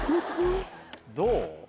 どう？